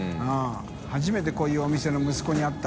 蕕瓩こういうお店の息子に会った。